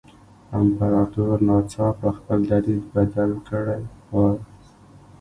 امپراتور ناڅاپه خپل دریځ بدل کړی وای.